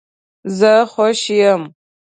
زه خوش یم